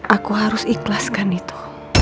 aku harus ikhlaskan itu